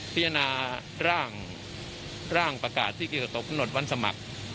เพราะที่พินะร่างประกาศที่เกี่ยวกับต่อกำหนดวันสมัคร